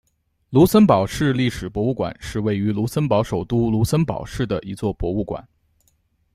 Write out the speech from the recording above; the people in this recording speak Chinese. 卢森堡市历史博物馆是位于卢森堡首都卢森堡市的一座博物馆。